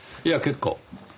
いや結構。